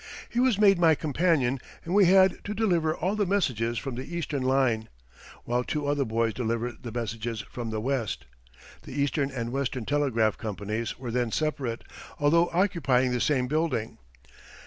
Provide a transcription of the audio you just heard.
He was made my companion and we had to deliver all the messages from the Eastern line, while two other boys delivered the messages from the West. The Eastern and Western Telegraph Companies were then separate, although occupying the same building.